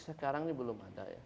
sekarang ini belum ada ya